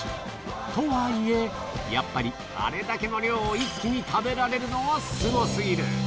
とはいえ、やっぱりあれだけの量を一気に食べられるのはすごすぎる。